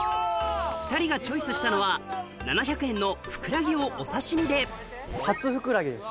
２人がチョイスしたのは７００円のフクラギをお刺し身で初フクラギです。